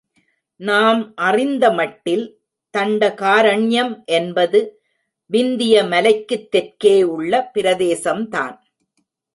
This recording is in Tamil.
நாம் அறிந்த மட்டில் தண்டகாரண்யம் என்பது விந்திய மலைக்குத் தெற்கே உள்ள பிரதேசம்தான்.